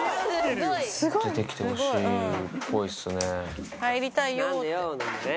出てきてほしいっぽいっすね。